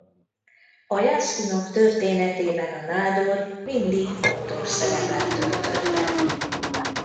A jász-kunok történetében a nádor mindig fontos szerepet töltött be.